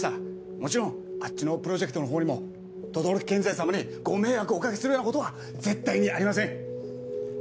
もちろんあっちのプロジェクトのほうにも等々力建材様にご迷惑をお掛けするようなことは絶対にありません。